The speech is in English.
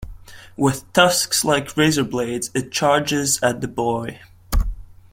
With tusks like razor blades, it charges at the boy.